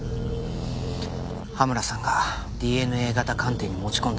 羽村さんがＤＮＡ型鑑定に持ち込んだんです。